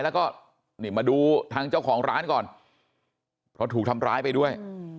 แล้วก็นี่มาดูทางเจ้าของร้านก่อนเพราะถูกทำร้ายไปด้วย